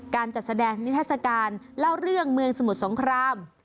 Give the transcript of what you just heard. การจัดแสดงนิทัศกาลเล่าเรื่องเมืองสมุทรสงคราม